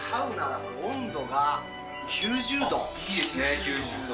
いいですね、９０度。